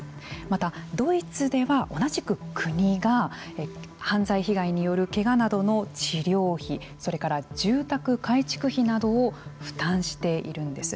また、ドイツでは同じく国が犯罪被害によるけがなどの治療費それから住宅改築費などを負担しているんです。